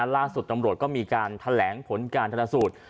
ล่าสุดตำรวจก็มีการแถลงผลการชนสูตร